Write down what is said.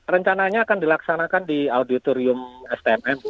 rencananya akan dilaksanakan di auditorium stmm